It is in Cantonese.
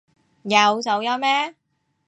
有走音咩？